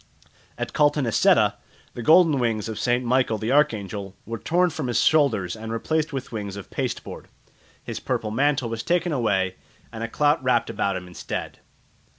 At Caltanisetta the golden wings of St. Michael the Archangel were torn from his shoulders and replaced with wings of pasteboard; his purple mantle was taken away and a clout wrapt about him instead.